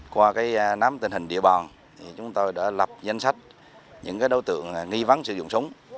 qua cái nắm tình hình địa bò chúng tôi đã lập danh sách những đối tượng nghi vắng sử dụng súng